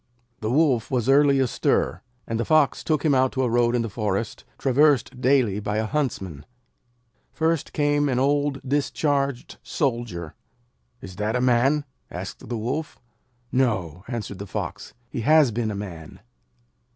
The Wolf was early astir, and the Fox took him out to a road in the forest, traversed daily by a Huntsman. First came an old discharged soldier. 'Is that a Man?' asked the Wolf. 'No,' answered the Fox. 'He has been a Man.'